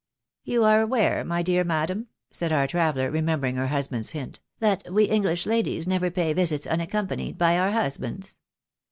" You are aware, my dear madam," said our traveller, remem bering her husband's hint, " that we English ladies never pay visits unaccompanied by our husbands."